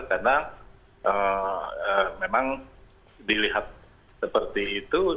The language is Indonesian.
karena memang dilihat seperti itu